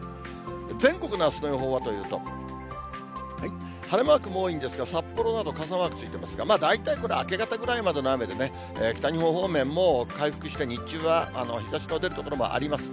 全国のあすの予報はというと、晴れマークも多いんですが、札幌など、傘マークついてますが、大体これ、明け方ぐらいまでの雨でね、北日本方面も回復して、日中は日ざしの出る所もあります。